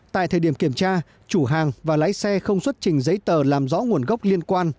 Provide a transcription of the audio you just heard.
tại thời điểm kiểm tra chủ hàng và lái xe không xuất trình giấy tờ làm rõ nguồn gốc liên quan